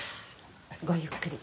ごゆっくり。